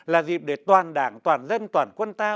là dịp để toàn đảng toàn dân toàn quân ta